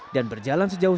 dan berjalan sejauh satu km